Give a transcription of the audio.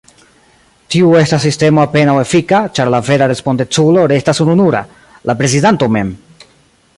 Tiu estas sistemo apenaŭ efika, ĉar la vera respondeculo restas ununura: la prezidanto mem.